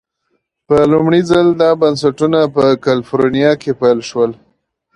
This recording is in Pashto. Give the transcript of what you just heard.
په لومړي ځل دا بنسټونه په کلفورنیا کې پیل شول.